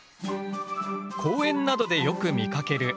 公園などでよく見かけるアリ。